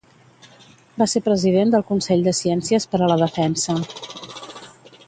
Va ser president del Consell de Ciències per a la Defensa.